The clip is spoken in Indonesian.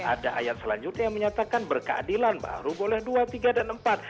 ada ayat selanjutnya yang menyatakan berkeadilan baru boleh dua tiga dan empat